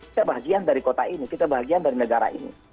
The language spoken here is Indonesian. kita bahagia dari kota ini kita bahagia dari negara ini